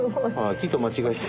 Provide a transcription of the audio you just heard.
木と間違えて。